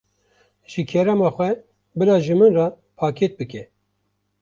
Ji kerema xwe bila ji min re pakêt bike.